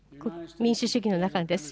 民主主義の中です。